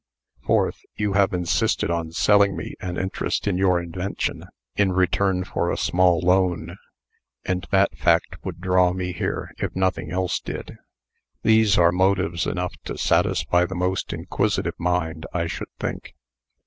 Fourth, you have insisted on selling me an interest in your invention, in return for a small loan, and that fact would draw me here, if nothing else did. These are motives enough to satisfy the most inquisitive mind, I should think."